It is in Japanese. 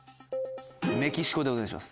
メキシコでお願いします。